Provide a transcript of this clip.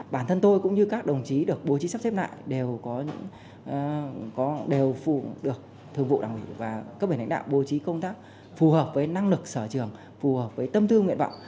bản thân tôi cũng như các đồng chí được bố trí sắp xếp lại đều phù được thương vụ đảm bảo và các bệnh đạo bố trí công tác phù hợp với năng lực sở trường phù hợp với tâm tư nguyện vọng